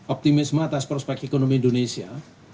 optimisme atas prospek ekonomi indonesia